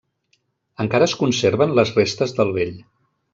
Encara es conserven les restes del vell.